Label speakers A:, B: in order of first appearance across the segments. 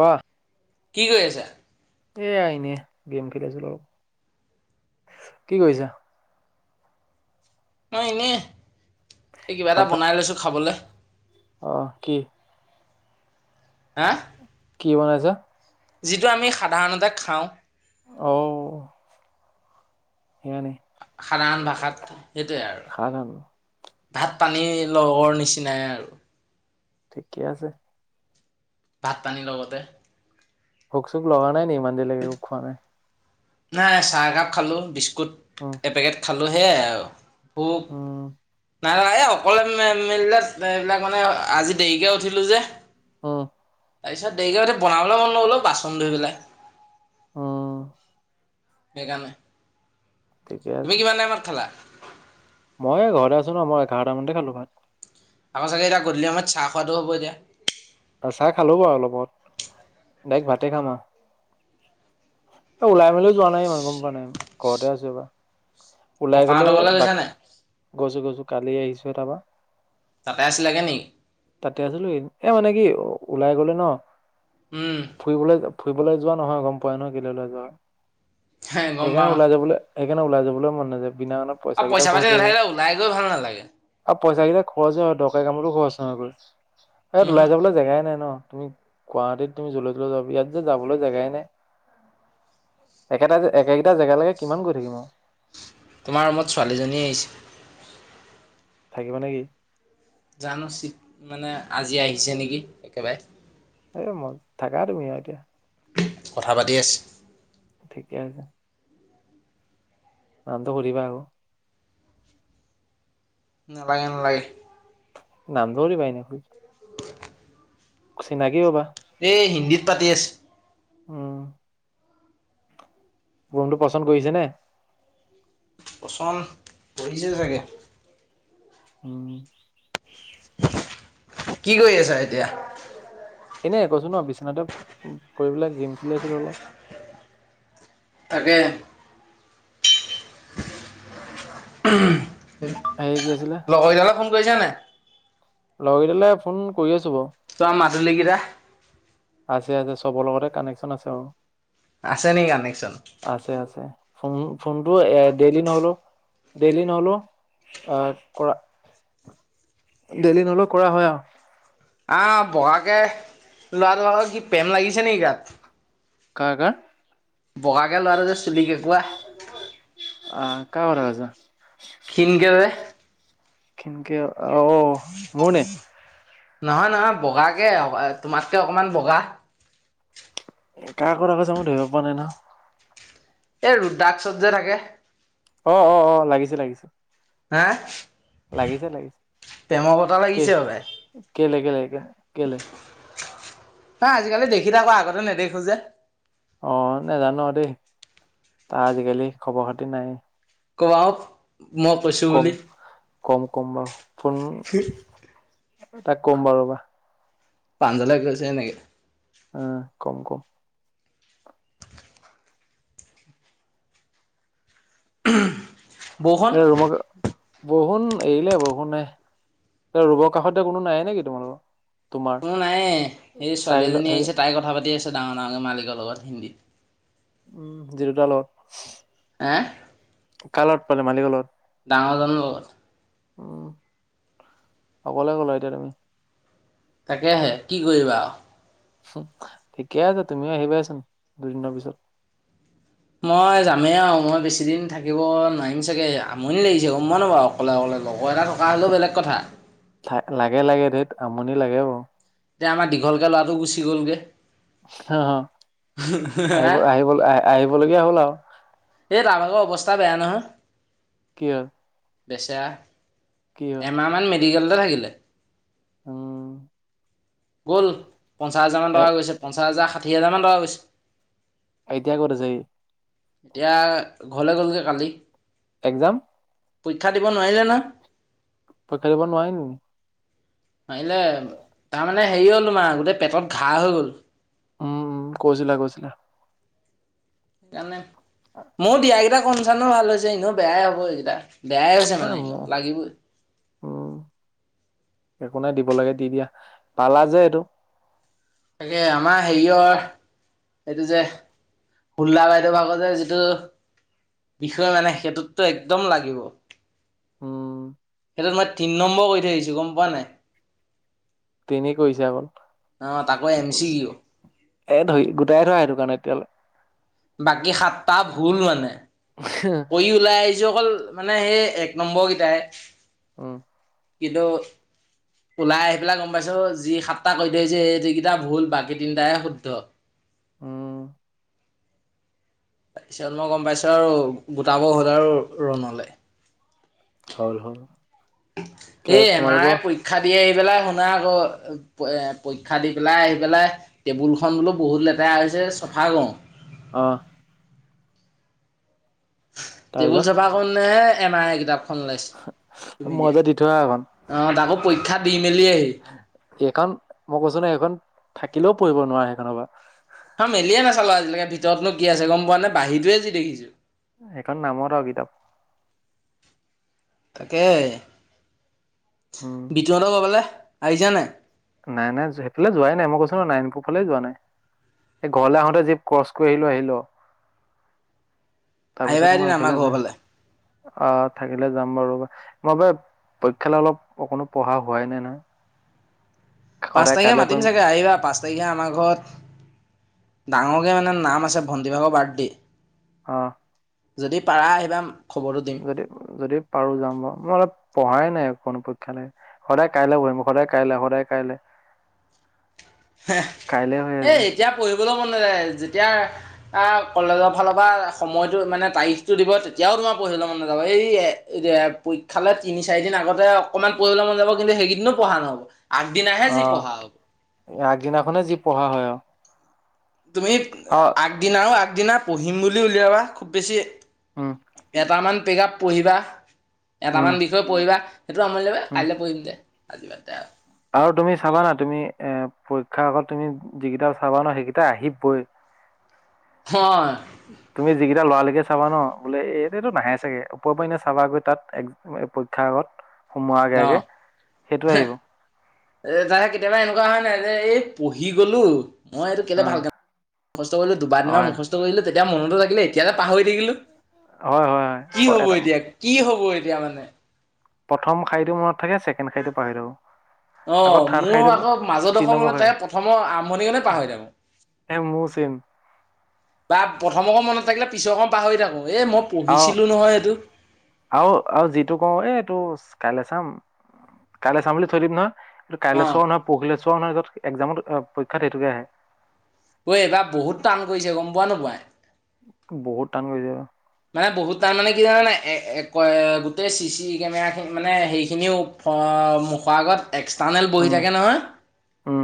A: কোৱা
B: কি কৰি আছা?
A: এয়া এনে, গেম খেলি আছোঁ অলপ আৰু, কি কৰিছা?
B: মই এনেই এই কিবা এটা বনাই লৈছোঁ খাবলে
A: অ কি
B: হা?
A: কি বনাইছা?
B: যিটো আমি সাধাৰণতে খাওঁ
A: অঔ হয় নি
B: খানা আন বা ভাত
A: ভাল হব।
B: ভাত পানী লগৰ নিচিনাই আৰু
A: ঠিকে আছে
B: ভাত পানীৰ লগতে।
A: ভোক চোক লগা নাই নেকি? ইমান দেৰিলৈকে একো খোৱা নাই।
B: নাই চাহ কাপ খালো বিস্ বিস্কুট
A: উম
B: এপেকেট খাব - খালোঁহে আৰু সুব
A: উম
B: নাই ন এই অকলে মিলিলে এইবিলাক মানে আজি দেৰিকে উঠিলো যে
A: অহ
B: তাৰপিছত দেৰিকে বনাবলৈ মন ন গলো বাচন ধুই পেলাই
A: অ
B: সেইকাৰণে
A: ঠিকে
B: তুমি
A: আছে
B: কিমান টাইমত খালা। [unintelligible]
A: মই ঘৰতে আছো ন মই এঘাৰটামানতে খালো ভাত
B: তাৰ চাগে এতিয়া গধূলি সময়ত চাহ খোৱাটো হ'ব এতিয়া
A: দাইক ভাতে খামা ওলাই মেলিও যোৱা নাই ইমান গৰ বনাইম ঘৰতে আছো বা ওলাই গলে
B: ককাহঁতৰ ঘৰলৈ
A: বাক
B: গৈছা নাই?
A: গৈছো গৈছো কালি আহিছোঁ এ তাৰপৰা।
B: তাতে আছিলাগে নেকি
A: তাতে আছিলো এ মানে কি ওলাই গলে ন।
B: উম,
A: ফুৰিবলৈ ফুৰিবলৈ যোৱা নহয়, গম পোৱাই ন, কেলে লৈ যোৱা হয়?
B: হে গম
A: সেইকাৰণে,
B: পাওঁ
A: ওলাই যাবলৈ সেইকাৰণে, ওলাই যাবলৈ মন [inaudible] পইচা
B: আৰু
A: কেইটাও খৰচ
B: পইচা-পাতি
A: হয়গৈ
B: নাথাকিলে ওলাই গৈ ভাল নালাগে।
A: আৰু পইচা কেইটা খৰচ হয়, দৰকাৰী কামতো খৰচ হয়, এইবোৰ ইয়াত
B: উহু,
A: ওলাই যাবলৈ জেগাই নাই ন। তুমি গুৱাহতিীত তুমি জলৈ-তলৈ যাব ইয়াত যে যাবলৈ জেগাই নাই। একেটা একেগিটা জেগা লৈকে কিমান গৈ থাকিম আৰু।
B: তোমাৰ ৰুমত ছোৱালীজনী আহিছে।
A: থাকিব নেকি?
B: জানো, চিত মানে, আজি আহিছে নেকি! একেবাৰে।
A: এ মন, থাকা তুমি আৰু এতিয়া।
B: কথা পাতি আছে।
A: ঠিকে আছে। নামটো সুধিবা আকৌ?
B: নালাগে নালাগে।
A: নামতো সুধিবা এনেকেই চিনাকি হ'বা।
B: এ, হিন্দীত। পাতি আছে।
A: উম। ৰুমতো পচন্দ কৰিছে নে?
B: পচন্দ, কৰিছে চাগে!
A: উম।
B: কি কৰি আছা এতিয়া?
A: এনে কৈছো ন, বিচনাতে পৰি পেলাই, গেম খেলি আছিলো অলপ।
B: তাকে।
A: হেৰি কি আছিলে
B: [unintelligible] লগৰজনে ফোন কৰিছা নাই?
A: লগৰকেইটালে ফোন কৰি আছো বাৰু।
B: তোমাৰ মাদুলিকেইটা
A: আছে, আছে। চবৰ লগতে কানেকচন আছে বাৰু।
B: আছে নেকি কানেকচন?
A: আছে ফোন, ফোনটো এ ডেইলি নহ'লেও, ডেইলি নহ'লেও, আহ কৰা, ডেইলি নহলেও, কৰা হয় আৰু।
B: ল'ৰা, তোৰ ভাগৰ কি প্ৰেম লাগিছে নেকি গাত?
A: কাৰ কাৰ?
B: বগাকে, ল'ৰাটো যে, চুলি কেকুৱা।
A: অ', কাৰ কথা কৈছা?
B: ক্ষীণকে যে,
A: ক্ষীণকে আৰু অ' মোৰ নে?
B: নহয়, নহয়। বগাকে, তোমাতকে অকমান বগা।
A: কাৰ কথা কৈছা মই ধৰিব পৰা নাই নহয়!
B: এই ৰুদ্ৰাক্সত যে থাকে।
A: অ' অ' অ' লাগিছে লাগিছে।
B: হা!
A: লাগিছে লাগিছে
B: প্ৰেমৰ বতাহ
A: কে
B: লাগিছে হপাই।
A: কেলে কেলে?
B: নাই আজিকালি দেখি থাকো, আগতে নেদেখো যে!
A: অ' নাজানো আৰু দেই। তাৰ আজিকালি খবৰ-খাতি নাই।
B: ক'বাও,
A: কম, কম কম বাৰু। ফোন তাক ক'ম বাৰু ৰ'বা।
B: পাঞ্জালে কৈছে এনেকে,
A: উম কম কম।
B: উম [unintelligible] বৌখন,
A: বৰুষণ এৰিলে বৰুষণ নাই। ৰুমৰ কাষতে কোনো নাই নেকি তোমালোকৰ? তোমাৰ
B: কোনো নাইয়ে, এই
A: চাহিল
B: ছোৱালীজনী
A: সেই
B: আহিছে তাই কথা পাতি আছে ডাঙৰ ডাঙৰকে মালিকৰ লগত। হিন্দীত।
A: উম যিটোডালৰ [unintelligible]
B: হ [unintelligible]
A: কালগত পালে মালিক লগত?
B: ডাঙৰ জনৰ লগত।
A: উম অকলে গলা এতিয়া তুমি?
B: তাকেহে কি কৰিবা আৱ।
A: ঠিকে আছে, তুমিও আহিবাচোন দুদিনৰ পিছত।
B: মই যামেই আৰু মই বেছি দিন থাকিব নোৱাৰিম চাগে, আমনি লাগিছে গম পাৱ নাপাৱ, অকলে অকলে লগ ৰ এটা থকা হ'লেও বেলেগ কথা।
A: লাগে লাগে ধেট আমনি লাগে অ।
B: এতিয়া আমাৰ দীঘলকে ল'ৰাটো গুচি গ'লগে।
A: অ হ আহিব
B: এই
A: আহিব আহ আহিবলগীয়া হ'ল আৰু।
B: তাৰ ভাগৰ অৱস্থা বেয়া নহয়।
A: কিয়?
B: বেচেয়া। এমাহ মান মে, মেডিকেলতে থাকিলে।
A: উম।
B: গ'ল। পঞ্চাছ হাজাৰমান
A: এ
B: টকা গৈছে। পঞ্চাছ হাজাৰ, শাঠি হাজাৰ মান টকা গৈ ছে।
A: এতিয়া কত আছে সি?
B: এতিয়া ঘৰলে গ'লগে কালি।
A: এক্সাম?
B: পৰীক্ষা দিব নোৱাৰিলে নহয়।
A: পৰীক্ষা দিব নোৱাৰি নেকি?
B: পাৰিলে তাৰ মানে মানে হেৰি হ'ল তোমাৰ গোটেই পেটত ঘাঁহ হৈ গ'ল।
A: উম উম কৈছিলা কৈছিলা।
B: জানে মোয়ো দিয়াগে এইটা কম চানো ভাল হৈছে, এনেও বেয়াই হ'ব এইকেইটা। বেয়াই হৈছে মানে
A: মোৰ
B: লাগিবই।
A: উম একো নাই দিব লাগে দি দিয়া। পালা যে এইটো
B: তাকে আমাৰ হেৰিয়ৰ, এইটো যে হোল্লা বাইদেউ ভাগৰ যে যিটো বিষয় মানে সেইটোতো একদম লাগিব।
A: উম।
B: সেইটোত মই তিনি নম্বৰ কৰী থৈ আহিছোঁ গম পোৱা নাই?
A: তেনেই কৈছা অকল।
B: অ তাকো এম চি কিউ
A: এ ধৰি--গোটাই ধৰা সেইটো কাৰণে তেতিয়া হ'লে।
B: বাকী সাতটা ভুল মানে, কৰি ওলাই আহিছো অকল মানে সেই এক নম্বৰকেইটাই।
A: উম।
B: কিন্তু, ওলাই আহি পেলাই গম পাইছো। যি সাতটা কৰি থৈ আহিছোঁ এই যিকেইটা ভুল বাকী তিনটাহে শুদ্ধ।
A: উম।
B: তাৰ পিছত মই গম পাইছো আৰু গোটাব হ'ল আৰু ৰুণলে।
A: হ'ল-হ'ল।
B: এ এন আৰ আই পৰীক্ষা দিয়ে আহি পেলাই শুনা আকৌ, এ পৰীক্ষা দি পেলাই আহি পেলাই টেবুল খন বোলো বহুত লেতেৰা হৈছে চফা কৰো।
A: অহ।
B: টেবুল
A: তাৰপিছত
B: চফা কৰে নে এম আই কিতাপ
A: মই যে দি থোৱা সেই খন।
B: অ তাকো পৰীক্ষা দি মেলি আহি
A: এইখন মই কৈছো ন এইখন থাক কেলেও পঢ়িব নোৱাৰে সেইখনৰ পৰা।
B: অহ মেলিয়ে নাচালো আজিলৈকে ভিতৰতনো কি আ গম পোৱা নাই বাহিৰতয়ে যি দেখিছো।
A: সেইখন নামত আৰু কিতাপ।
B: তাকে,
A: উম
B: বিতুনহতৰ ঘৰৰ ফালে আহিছে নাই?
A: নাই-নাই সেইফালে যোৱাই নাই, মই কৈছো নহয় নাৰায়নপুৰ ফালে যোৱা নাই। সেই ঘৰলে আহোতে যি ক্ৰচ কৰি আহিলো, আহিলো আৰু।
B: আহিবা এদিন আমাৰ ঘৰৰ ফালে।
A: অহ, থাকিলে যাম বাৰু ৰবা। মই পৰীক্ষালৈ অলপ অকণো পঢ়া হোৱাই নাই নহয়।
B: পাঁচ
A: সদায়
B: তাৰিখে
A: কাইলৈ
B: মাতিম
A: পঢ়িম
B: চাগে আহিবা পা তাৰিখে আমাৰ ঘৰত, ডাঙৰকৈ মানে নাম আছে ভণ্টিভাগৰ বাৰ্থডে'।
A: অহ।
B: যদি পাৰা আহিবা। খবৰটো দিম।
A: যদি-যদি পাৰো যাম বাৰু, মই অলপ পঢ়াই নাই। কোনো পৰীক্ষা নাই সদায় কাইলৈ বহিম সদায় কাইলৈ-সদায় কাইলৈ।
B: হেহ
A: কাইলে হৈ
B: এ
A: আছে
B: এতিয়া পঢ়িবলৈ মন যেতিয়া আহ কলেজৰ ফালৰ পৰা সময়তটো মানে তাৰিখটো দিব তেতিয়াও তোমাৰ পঢ়িবলৈ মন নাযাব এই এ পৰীক্ষালৈ তিনি চাৰি দিন আগতে অকনমান পঢ়িবলৈ মন যাব কিন্তু সেইকেইদিনো পঢ়া নহব। আগদিন
A: অ
B: আহেজি পঢ়া হব।
A: আগদিনাখনে যি পঢ়া হয় আৰু।
B: তুমি
A: অ
B: আগদিনাও-আগদিনা পঢ়িম বুলি উলিয়াবা, খুব বেছি
A: উম।
B: কেইটামান প্ৰেগাপ পঢ়িবা।
A: উম
B: এটামান বিষয় পঢ়িবা সেইটো আমনি লাগে
A: উম
B: কাইলে পঢ়িম দে আজি বাদ দে আৰু
A: আৰু তুমি চাবা না তুমি এ পৰীক্ষাৰ আগত তুমি যিকিটা চাবা ন সেইকেইটা আহিবৈ।
B: হয়
A: তুমি যিকেইটা লৰা লৰিকে চাবা ন বোলে এইতটো নাহে চাগে ওপৰৰ পৰা এনে চাবাগৈ তাত পৰীক্ষাৰ আগত সোমোৱাৰ আগে
B: ন
A: -আগে সেইটোৱেই আহিব
B: এ তাহে কেতিয়াবা এনেকুৱা হয় নাই যে এই পঢ়ি গলো মই এইটো কেলে
A: অ
B: ভাল কাম মুস্থ কৰিলো দুবাৰ দিবা
A: হয়
B: মুখস্থ কৰিলো এতিয়া মনতো থাকিলে এতিয়াতে পাহৰি থাকিলো
A: হয় হয় হয়
B: কি হ'ব
A: এটা
B: এতিয়া কি হ'ব এতিয়া। তিয়া মানে।
A: প্ৰথম শাৰী টো মনত। থাকে ছেকেণ্ড শাৰীটো পাহৰি থাকো আকৌ
B: আহ
A: থাৰ্ড খাই
B: মোৰ
A: দিওঁ
B: আকৌ
A: তিনি
B: মাজডোখৰ
A: নম্বৰ
B: মানে
A: খাই
B: তাই
A: দিওঁ
B: প্ৰথমৰ আৰম্ভণি কনে পাহৰি থাকোঁ।
A: এ মোৰ চেম
B: প্ৰথমক মত থাকিলে পিছৰক পাহৰি থাকো। এই মই
A: আহ
B: পঢ়িছিলো নহয় এইটো
A: আৰু- আৰু যিটো কওঁ এই এইটো ইছ। কাইলৈ চাম কাইলৈ চাম বুলি থৈ দিম নহয়।
B: অ
A: কাইলৈ চোৱা নহয় পৰহিলে চোৱা। চোৱা নহয় য'ত একজামত পৰীক্ষাত সেইটোকে আহে।
B: ঐ এইবাৰ বহুত টান কৰিছে গম পোৱা নোপোৱা।
A: বহুত টান কৰি যাবা।
B: মানে বহুত তাৰ মানে কি জানোনে গোটেই চিচি কেমেৰাখিনি মানে সেইখিনিও মুখৰ আগত। এক্সটাৰ্নেল বহি
A: উম
B: থাকে নহয়।
A: উম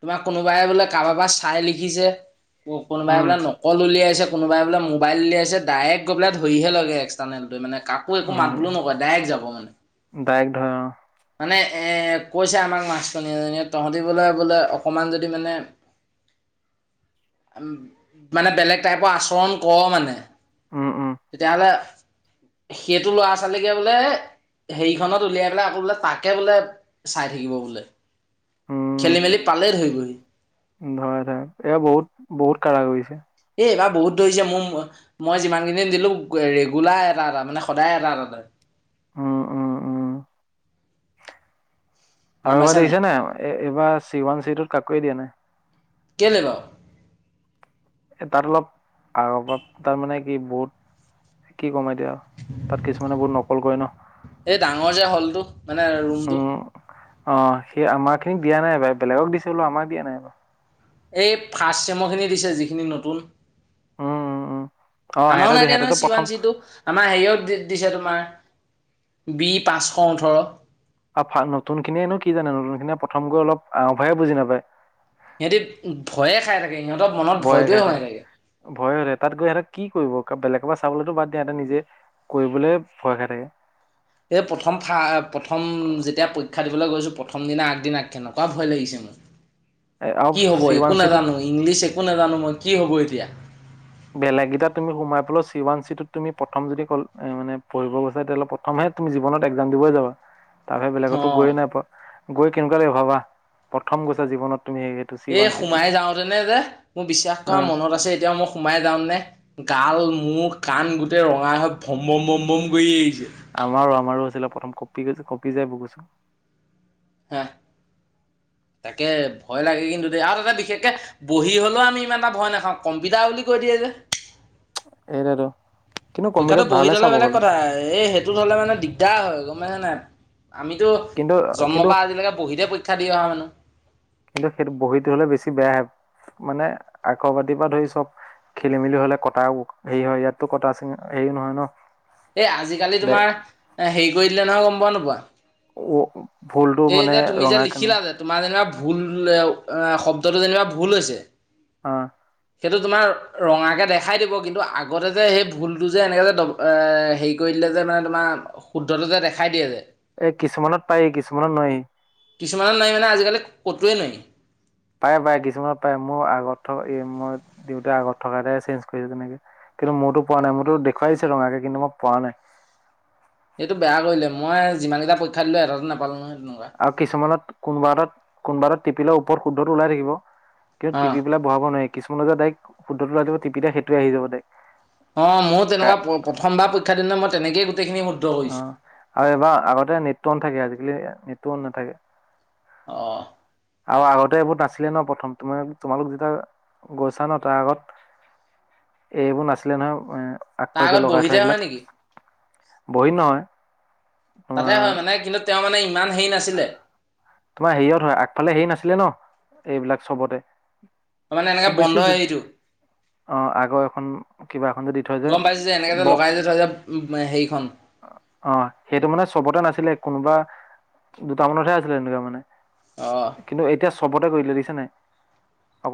B: তোমাক কোনোবাই বোলে কাৰোবাৰ পৰা চাই লিখিছে। কোনোবাই
A: উম
B: বোলে নকল উলিয়াইছে। কোনোবাই বোলে মোবাইল উলিয়াইছে আছে। ডাইৰেক্ট গই ধৰিহে লয় এক্সটাৰনেলটোৱ মানে। কাকো একো মাত বোলেও নকয় ডাইৰেক্ট যাব মানে।
A: ধ।
B: মানে এ কৈছে আমাক মাষ্টৰনী এজনীয়ে তহঁতিবলৈ বোলে অকণমান যদি মানে, মানে বেলেগ টাইপৰ আচৰণ কৰ মানে।
A: উম উম
B: তেতিয়াহলে। সেইটো ল'ৰা ছোৱালীকে বোলে, হেৰিখনত উলিয়াই পেলাই আকৌ বোলে। তাকে বোলে, চাই থাকিব বোলে। এই।
A: ধৰ ধৰা এয়া বহুত বহুত কাঢ়াকৰিছে।
B: এইবাৰ বহুত ধৰিছে মোৰ মই যিমানখিনি দিলো ৰেগুলাৰ এটা এটা মানে সদায় এটা এটা ত।
A: উম উম উম।
B: গম
A: আৰু এবাৰ
B: পাইছা
A: দেখিছে নাই এইবাৰ চি ৱান চিটোত কাকোৱয়ে দিয়া নাই।
B: কেলে বাও।
A: এ তাত অলপ আৰ বপ্তা মানে কি বওত, কি কম এতিয়া। তাত কিছুমানে বহুত নকল কৰে ন
B: এই ডাঙৰ যে হলটো মানে ৰুমটো।
A: উম অ সি আমাৰ খিনিক দিয়া নাই বা বেলেগক দিচেবোলো, আমাক দিয়া নাই বু।
B: এই ফাচ চেমৰ খিনি দিছে, যিখিনি নতুন।
A: উম উম উম অ
B: আমও
A: সিহঁতক দিয়ে,
B: নাই দিয়া
A: সিহঁতেতো
B: নহয় চি
A: প্ৰথম
B: ওৱান চি টো আমাৰ সেইয়ত দি। দিছে তোমাৰ, বি পাঁচশ ওঠৰ।
A: আ ফান, নতুন খিনিয়েনো কি জানে নু নতুন খিনিয়ে প্ৰথম গৈ অলপ আও ভাৱে বুজি নাপায়।
B: সিহঁতি ভয়ে খাই থাকে। সিহঁতৰ মনত
A: ভয়ে
B: ভয়টোৱে
A: খাইতে,
B: সোমাই থাকে
A: ভয় হৈ তাত গৈ সিহঁতে কি কৰিব। বেলেগৰ পৰা চাবলৈতো বাদ দিয়া ইতে নিজে কৰিবলৈ ভয় খাই থাকে।
B: এই প্ৰথম ফা প্ৰথম যেতিয়া পৰীক্ষা দিবলৈ গৈছিল প্ৰথম দিনা আগদিনা কেনকা ভয় লাগিছে মোৰ।
A: এ আৰু
B: কি হ'ব
A: চি ওৱান
B: একো
A: চি টোত
B: নাজানো, ইংলিছ একো নাজানো মই। কি হ'ব এতিয়া?
A: বেলেগ গিতাত তুমি সোমাবলেও চি ৱান চিটোত তুমি প্ৰথম যদি কল মানে পঢ়িব গৈছা তেতিলে প্ৰথমে তুমি জীৱনত একজাম দিবই যাবা। তাৰবাহিৰে বেলেগতো
B: অ'।
A: গৈয়ে নাই পোৱা। গৈ কেনেকুৱা লাগে ভাবা, প্ৰথম গৈছা জীৱনত। তুমি সেইটো চি
B: এই
A: ওৱান চি টোলে
B: সোমাই যাওতেনে যে মোৰ বিশ্বাস কৰা
A: অ
B: মনত আছে এতিয়াও মই সোমাই যাম নে গাল, মুখ, কাণ গোটেই ৰঙা হৈ ভমভম ভম ভম কৰি আহিছে।
A: আমাৰো আমাৰো। ধৰিল প্ৰথম কঁপি গৈছে, কঁপি যাই বুকু চুকু।
B: হে, তাকে ভয় লাগে কিন্তু দে আৰু তাতে বিশেষকে বহি হলেও আমি ইমান এটা ভয় নাখাওঁ কম্পিউটাৰ বুলি কৈ দিয়ে যে।
A: সেইতোৱে টো।
B: পৰীক্ষাটো বহি হলে বেলেগ কথা, এই সেইটোত হ'লে মানে দিগদাৰ হয়। মই [unintelligible] আমিতো
A: কিন্তু
B: জন্ম
A: কিন্তু
B: পৰা আজিলৈকে বহিতে পৰীক্ষা দি অহা মানুহ।
A: কিন্তু সেটো বহীত ধৰিলে বেছি বেয়া হে মানে আখৰ পাতিৰ পৰা ধৰি চব খেলি-মেলি হলে কটা হেৰি হয় ইয়াততো কটা চিঙ হেৰি নহয় ন।
B: এ' আজিকালি
A: দে
B: তোমাৰ হেৰি কৰি দিলে নহয় গম পোৱা, নোপোৱা।
A: অ'।
B: এই যে তুমি যে লিখিলা যে তোমাৰ যেনিবা ভুল অ এ শব্দটো যেনিবা ভুল হৈছে।
A: অ'।
B: সেইটো তোমাৰ ৰঙাকৈ দেখাই দিব কিন্তু আগতে যে সেই ভুলটো যে এনেকৈ ড হেৰি কৰি দিলে যে মানে তোমাৰ শুদ্ধটো যে দেখাই দিয়ে যে।
A: এ কিছুমানত পাৰি, কিছুমানত নোৱাৰি।
B: কিছুমানৰ নাই মানে আজিকালি ক'তোৱে নাই।
A: পাই পাই কিছুমানত পায়। মোৰ আগত থকাতে মই দেউতায়ে আগত থকাটো চেঞ্জ কৰিছোঁ। তেনেকে কিন্তু মোৰতো পোৱা নাই, মোৰতো দেখুৱাই দিছে ৰঙাকে, কিন্তু মই পোৱা নাই।
B: সেইটো বেয়া কৰিলে, মই যিমান কেইটা পৰীক্ষা দিলো এটাতটো নাপালোঁ নহয়। তেনেকুৱা
A: আৰু কিছুমানত কোনবাএটাত কোনবাএটাত টিপিলে ওপৰত শুদ্ধতো ওলাই থাকিব। কিন্ত
B: অঁ
A: টিপি পেলাই বহাব নোৱাৰি। কিছুমানে যে ডাইৰেক্ট শুদ্ধতো টিপি দিয়ে, সেইটোৱে আহি যাব ডাইৰেক্ট।
B: অ' মোৰো‍ঁ
A: কা
B: তেনেকুৱা, প্ৰথম বাৰ পৰীক্ষা দিওতে মই তেনেকে
A: অ', আৰু এইবাৰ আগতে নেটৱৰ্ক নাথাকে আজিকালি নেট টো অন নাথাকে।
B: অ'হ।
A: আৰু আগতে এইবোৰ নাছিলে ন' প্ৰথম, তোমা, তোমালোক যেতিয়া গৈছা ন, তাৰ আগত এইবোৰ নাছিলে নহয় এ
B: তাৰ আগত বহি যাবা নেকি?
A: বহি নহয় তোমাৰ
B: তাতে হয় মানে, কিন্তু তেওঁ মানে ইমান হেৰি নাছিলে।
A: তোমাৰ হেৰিয়ত হয়, আগফালে হেৰি নাছিলে ন? এইবিলাক চবতে
B: মানে এনেকে
A: খুব
B: বন্ধ
A: বেছি
B: হেৰিটো
A: অ' আগৰ এখন কিবা এখন যে দি থয় যে,
B: গম পাইছোঁ এনেকে যে
A: বক্স
B: লগাই যে থয় যে হেৰিখন
A: অ'সেইটো মানে চবতে নাছিল। ছিলে কোনোবা দুটামানতহে আছিলে এনেকুৱা মানে
B: অ'!
A: কিন্তু এতিয়া চবতে কৰি দিলে দেখিছা নাই। অক